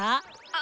あ？